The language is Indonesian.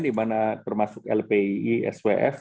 dimana termasuk lpi swf